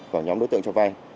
của nhóm đối tượng cho vai